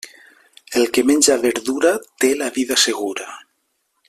El que menja verdura té la vida segura.